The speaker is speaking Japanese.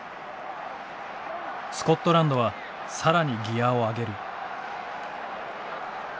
スコットランドは更にギアを上げる。